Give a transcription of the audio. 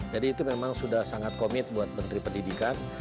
jadi itu memang sudah sangat komit buat menteri pendidikan